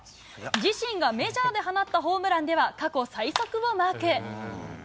自身がメジャーで放ったホームランでは過去最速をマーク。